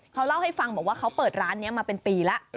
เขาเล่าให้ฟังบอกว่าเขาเปิดร้านนี้มาเป็นปีแล้ว